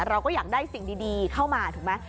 เราก็อยากได้สิ่งดีเข้ามาถูกไหม